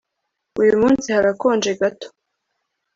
uyu munsi harakonje gato